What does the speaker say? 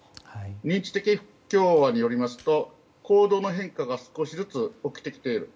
認知的不協和によりますと行動の変化が少しずつ起きてきている。